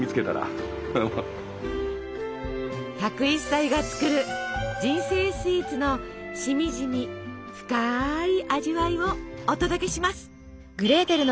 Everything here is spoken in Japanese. １０１歳が作る「人生スイーツ」のしみじみ深い味わいをお届けします。